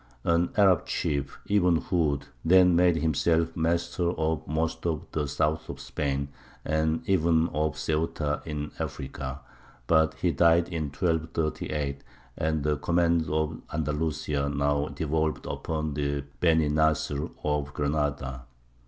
An Arab chief, Ibn Hūd, then made himself master of most of the south of Spain, and even of Ceuta in Africa; but he died in 1238, and the command of Andalusia now devolved upon the Beny Nasr of Granada.